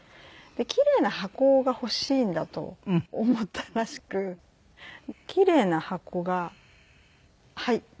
キレイな箱が欲しいんだと思ったらしくキレイな箱が入って。